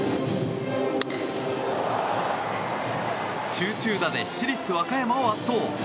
集中打で市立和歌山を圧倒。